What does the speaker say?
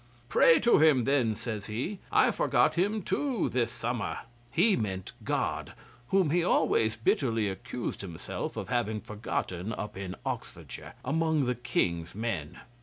'"Pray to Him then," says he. "I forgot Him too this summer." 'He meant God, whom he always bitterly accused himself of having forgotten up in Oxfordshire, among the King's men.